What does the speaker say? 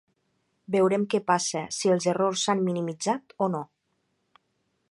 Veurem què passa, si els errors s’han minimitzat o no.